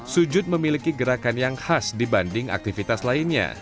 sujud memiliki gerakan yang khas dibanding aktivitas lainnya